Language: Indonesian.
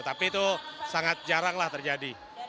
tapi itu sangat jaranglah terjadi